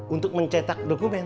untuk mencetak dokumen